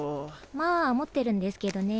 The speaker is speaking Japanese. まあ持ってるんですけどね。